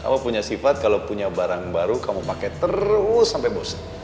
kamu punya sifat kalau punya barang baru kamu pake terus sampe bosen